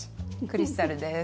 クリスタルです。